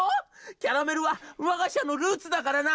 キャラメルはわが社のルーツだからな。